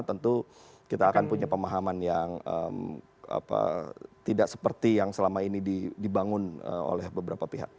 tentu kita akan punya pemahaman yang tidak seperti yang selama ini dibangun oleh beberapa pihak